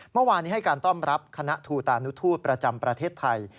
เมื่อวานนี้ให้การต้อนรับคณะทูตานุทูตประจำประเทศไทย